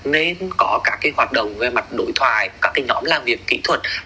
nên có các hoạt động về mặt đối thoại các nhóm làm việc kỹ thuật